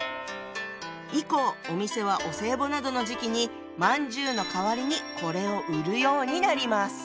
以降お店はお歳暮などの時期にまんじゅうの代わりにこれを売るようになります。